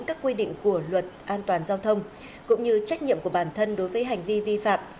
các quy định của luật an toàn giao thông cũng như trách nhiệm của bản thân đối với hành vi vi phạm